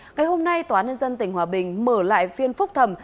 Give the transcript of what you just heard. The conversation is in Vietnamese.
ngày hôm nay tòa nhân dân tp hcm mở lại phiên phúc thẩm